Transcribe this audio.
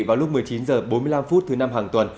vào lúc một mươi chín h bốn mươi năm thứ năm hàng tuần